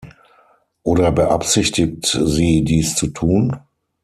Oder beabsichtigt sie, dies zu tun?